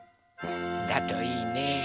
だといいね。